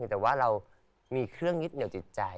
แต่ว่าเรามีเครื่องยึดเหนียวจิตใจ